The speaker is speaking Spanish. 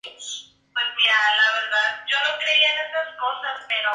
Se encuentra en Australia en Queensland y Nueva Gales del Sur.